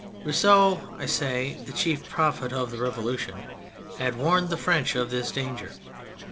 Rousseau, I say, the chief prophet of the Revolution, had warned the French of this danger.